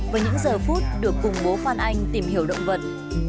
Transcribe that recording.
và những giờ phút được cùng bố phan anh tìm hiểu động vật